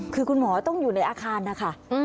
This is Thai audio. คือคุณหมอต้องอยู่ในอาคารนะคะ